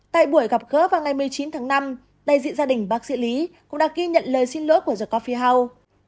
tại buổi gặp gỡ vào ngày một mươi chín tháng năm đại diện gia đình bác sĩ lý cũng đã ghi nhận lời xin lỗi của jacophie house